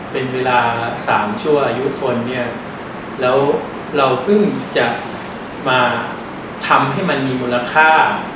เป็นเวลาสามชั่วอายุคนเนี่ยแล้วเราเพิ่งจะมาทำให้มันมีมูลค่า